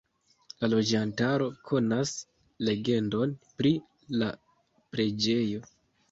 La loĝantaro konas legendon pri la preĝejo.